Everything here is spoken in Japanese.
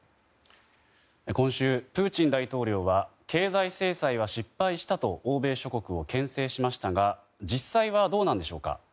今週、プーチン大統領は経済制裁は失敗したと牽制しましたが実際はどうなんでしょうか。